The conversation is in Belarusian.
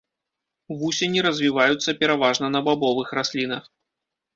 Вусені развіваюцца пераважна на бабовых раслінах.